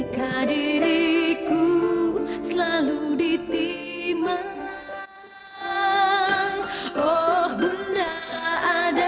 kamu kan belum makan tadi